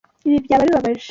Ibi byaba bibabaje.